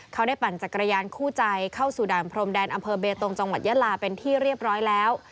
เขาได้ปั่นจักรยานคู่ใจเข้าสู่ด่านพรมแดนอำเภอเบตงจังหวัดยาลาเป็นที่เรียบร้อยแล้ว